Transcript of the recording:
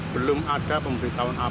belum ada pemberitahuan apa